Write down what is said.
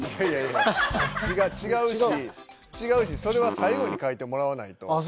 いやいやいや違うし違うしそれは最後に書いてもらわないと。